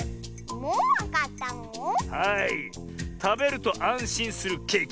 たべるとあんしんするケーキ